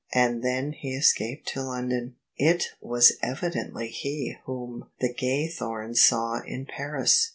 And then he escaped to London." " It was evidently he whom the Gaythomes saw in Paris."